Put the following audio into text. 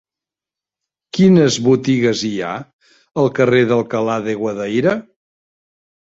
Quines botigues hi ha al carrer d'Alcalá de Guadaira?